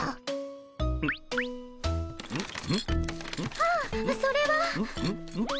あっそれは。